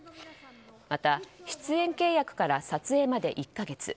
また出演契約から撮影まで１か月。